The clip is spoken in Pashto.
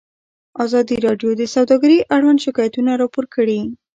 ازادي راډیو د سوداګري اړوند شکایتونه راپور کړي.